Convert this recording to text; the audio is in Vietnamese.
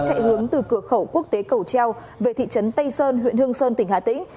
chạy hướng từ cửa khẩu quốc tế cầu treo về thị trấn tây sơn huyện hương sơn tỉnh hà tĩnh